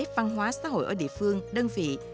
văn hóa xã hội ở địa phương đơn vị